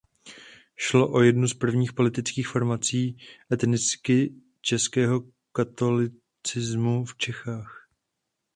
Šlo o jednu z prvních politických formací etnicky českého katolicismu v Čechách.